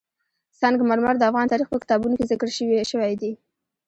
سنگ مرمر د افغان تاریخ په کتابونو کې ذکر شوی دي.